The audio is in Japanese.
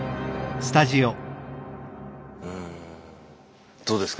うんどうですか？